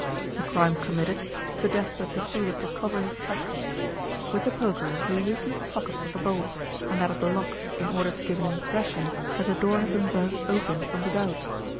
"The crime committed, Sir Jasper proceeded to cover his tracks. With the poker he loosened the sockets of the bolts and that of the lock in order to give an impression that the door had been burst open from without.